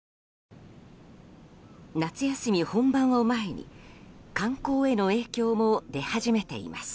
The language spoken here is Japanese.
夏休み本番を前に観光への影響も出始めています。